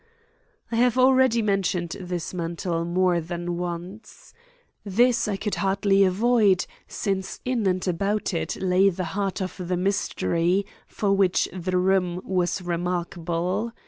I have already mentioned this mantel more than once. This I could hardly avoid, since in and about it lay the heart of the mystery for which the room was remarkable.